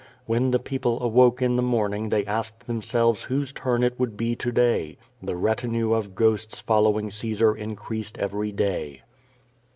When the people awoke in the morning they asked themselves whose turn it would be to day. The retinue of ghosts following Caesar increased every day.